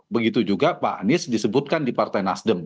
begitu juga pak anies disebutkan di partai nasdem